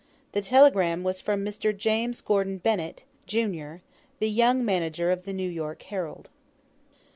The telegram was from Mr. James Gordon Bennett, jun., the young manager of the 'New York Herald.'